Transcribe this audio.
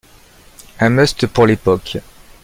Un must pour l'époque.